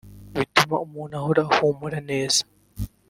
bituma umuntu ahora ahumura neza